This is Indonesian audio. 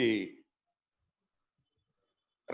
regulator ini terlalu banyak